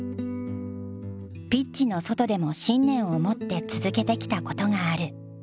ピッチの外でも信念を持って続けてきたことがある。